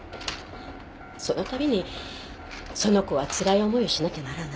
その度にその子はつらい思いをしなきゃならない。